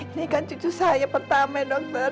ini kan cucu saya pertama dokter